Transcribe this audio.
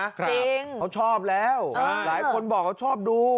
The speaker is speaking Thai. จริงเขาชอบแล้วหลายคนบอกเขาชอบดู